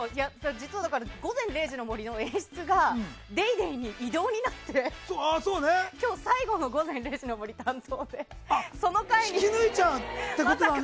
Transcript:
実は「午前０時の森」の演出が「ＤａｙＤａｙ．」に異動になって、今日が最後の「午前０時の森」担当で引き抜いちゃうってことなんだ。